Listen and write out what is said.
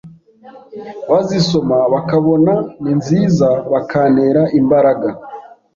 bazisoma bakabona ni nziza bakantera imbaraga